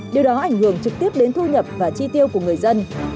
điều đó ảnh hưởng trực tiếp đến thu nhập và chi tiêu của người dân